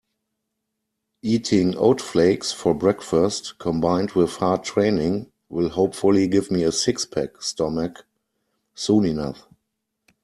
Eating oat flakes for breakfast combined with hard training will hopefully give me a six-pack stomach soon enough.